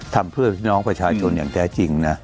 ทำเพื่อพี่น้องประชาชนอย่างแท้จริงนะ